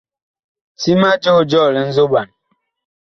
Ti ma joo jɔɔ li nzoɓan.